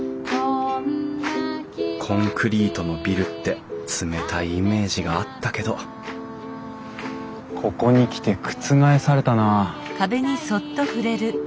コンクリートのビルって冷たいイメージがあったけどここに来て覆されたな。